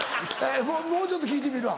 もうちょっと聞いてみるわ。